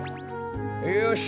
よし。